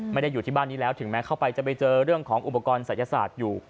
ไม่ได้อยู่ที่บ้านนี้แล้วถึงแม้เข้าไปจะไปเจอเรื่องของอุปกรณ์ศัยศาสตร์อยู่